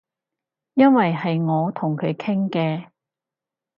因爲係我同佢傾嘅